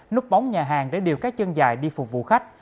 núp bóng nhà hàng để điều các chân dài đi phục vụ khách